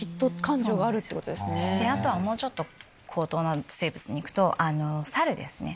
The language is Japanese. あとはもうちょっと高等な生物に行くとサルですね。